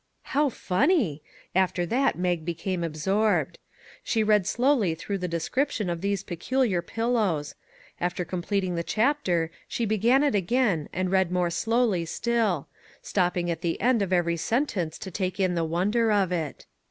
How funny! After that Mag became absorbed. She read slowly through the description of these peculiar pillows; after completing the chapter, she began it again, and read more slowly still ; stopping at the end of every sen tence to take in the wonder of it.